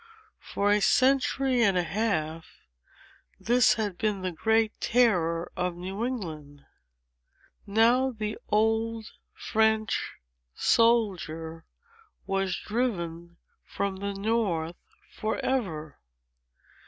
For a century and a half this had been the great terror of New England. Now, the old French soldier was driven from the north forever.